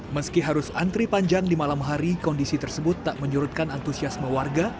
meski harus antri panjang di malam hari kondisi tersebut tak menyurutkan antusiasme warga